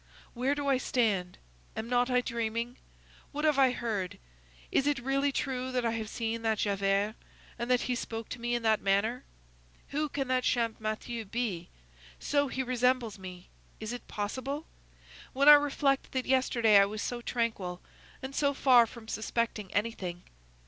"Where do I stand? Am not I dreaming? What have I heard? Is it really true that I have seen that Javert, and that he spoke to me in that manner? Who can that Champmathieu be? So he resembles me! Is it possible? When I reflect that yesterday I was so tranquil, and so far from suspecting anything!